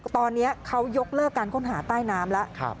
ตอนนี้เขายกเลิกการค้นหาใต้น้ำแล้ว